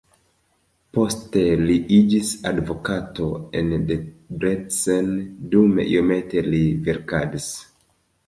Poste li iĝis advokato en Debrecen, dume iomete li verkadis.